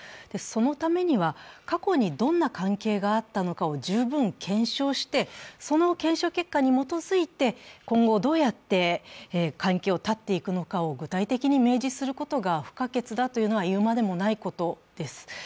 そのためには、過去にどんな関係があったのかを十分検証してその検証結果に基づいて、今後、どうやって関係を断っていくのかを具体的に明示するのが不可欠だということは言うまでもないことです。